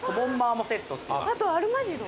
あとアルマジロ？